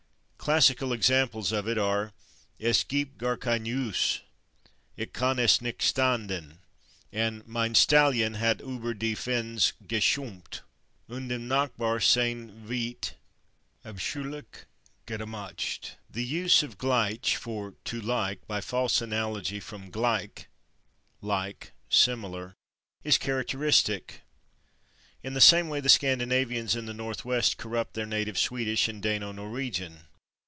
Classical examples of it are "es giebt gar kein /use/," "Ich kann es nicht /ständen/" and "mein /stallion/ hat über die /fenz gescheumpt/ und dem nachbar sein /whiet/ abscheulich /gedämätscht/." The use of /gleiche/ for /to like/, by false analogy from /gleich/ (=/like/, /similar/) is characteristic. In the same way the Scandinavians in the Northwest corrupt their native Swedish and Dano Norwegian.